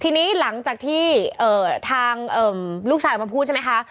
ทีนี้หลังจากที่ทางลูกชายออกมาพูดใช่ไหมคะ